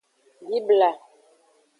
Bibla.